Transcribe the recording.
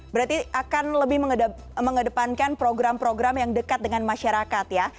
berarti akan lebih mengedepankan program program yang dekat dengan masyarakat ya